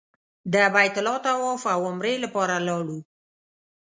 د بیت الله طواف او عمرې لپاره لاړو.